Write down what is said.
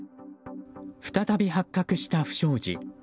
再び発覚した不祥事。